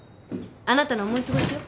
あなたの思い過ごしよ。